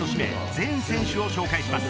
全選手を紹介します。